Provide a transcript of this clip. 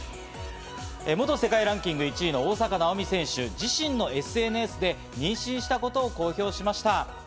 元世界ランキング１位の大坂なおみ選手が自身のＳＮＳで妊娠したことを公表しました。